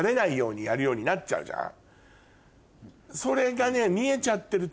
ようになっちゃうじゃん。